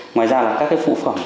ngoài ra là các cái phụ phẩm